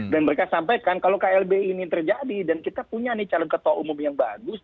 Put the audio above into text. dan mereka sampaikan kalau klb ini terjadi dan kita punya nih calon ketua umum yang bagus